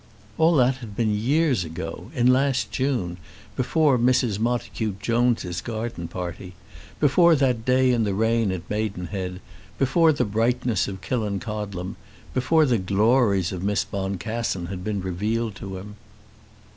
All that had been years ago, in last June; before Mrs. Montacute Jones's garden party, before that day in the rain at Maidenhead, before the brightness of Killancodlem, before the glories of Miss Boncassen had been revealed to him.